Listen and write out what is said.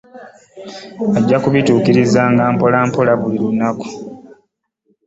Ajja kubituukirizanga mpolampola buli lunaku.